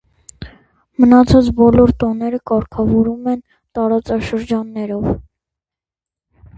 Մնացած բոլոր տոները կարգավորվում են տարածաշրջաններով։